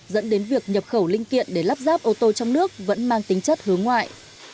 dẫn đến việc nhập khẩu linh kiện để lắp ráp ô tô trong nước vẫn mang tính chất hướng ngoại